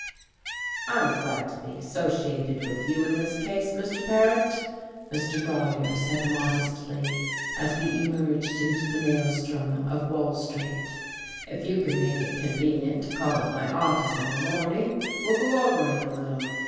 "I'm glad to be associated with you in this case, Mr. Paret," Mr. Grolier said modestly, as we emerged into the maelstrom of Wall Street. "If you can make it convenient to call at my office in the morning, we'll go over it a little.